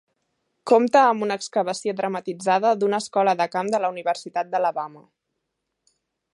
Compta amb una excavació dramatitzada d'una Escola de Camp de la Universitat d'Alabama.